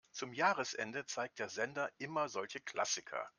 Zum Jahresende zeigt der Sender immer solche Klassiker.